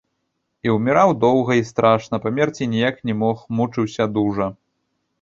І ўміраў доўга і страшна, памерці ніяк не мог, мучыўся дужа.